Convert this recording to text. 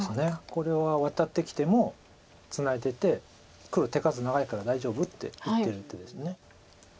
これはワタってきてもツナいでて黒手数長いから大丈夫って言ってる手です。